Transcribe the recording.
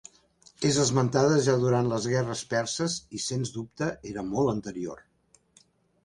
És esmentada ja durant les guerres perses i sens dubte era molt anterior.